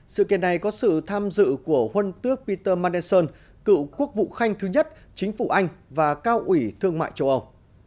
sự kiện này có sự tham dự của huân tước peter mandeson cựu quốc vụ khanh thứ nhất chính phủ anh và cao ủy thương mại châu âu